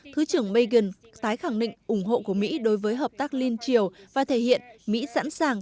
thứ trưởng pagan tái khẳng định ủng hộ của mỹ đối với hợp tác liên triều và thể hiện mỹ sẵn sàng